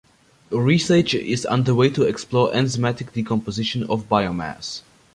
Research is underway to explore enzymatic decomposition of biomass.